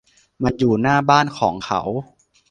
มันอยู่หน้าบ้านของเขา